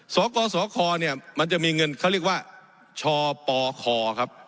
สกสคเนี่ยมันจะมีเงินเขาเรียกว่าชปคครับ